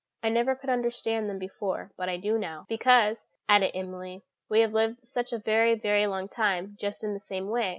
I never could understand them before, but I do now." "Because," added Emily, "we have lived such a very, very long time just in the same way."